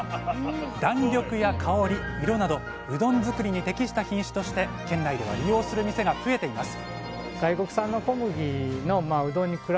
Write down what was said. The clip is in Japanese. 弾力や香り色などうどん作りに適した品種として県内では利用する店が増えています